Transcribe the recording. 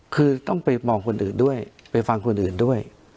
คือต้องไปมองคนอื่นด้วยไปฟังคนอื่นด้วย